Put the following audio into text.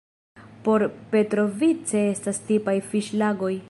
Por Petrovice estas tipaj fiŝlagoj.